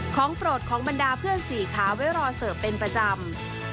โปรดของบรรดาเพื่อนสี่ขาไว้รอเสิร์ฟเป็นประจำ